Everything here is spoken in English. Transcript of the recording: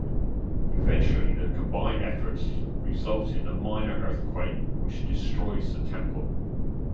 Eventually their combined efforts result in a minor earthquake which destroys the temple.